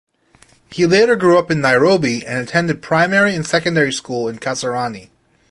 He later grew up in Nairobi and attended primary and secondary school in Kasarani.